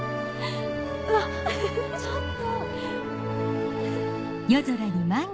うわっちょっと！